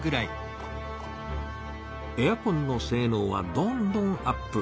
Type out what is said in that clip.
エアコンのせいのうはどんどんアップ。